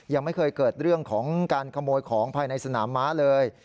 ยังไม่เคยเกิดเรื่องของการขโมยของภายในสนามม้าเลย